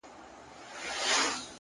سیاه پوسي ده’ دا دی لا خاندي’